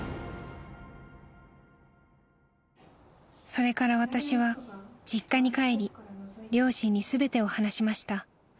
［それから私は実家に帰り両親に全てを話しました］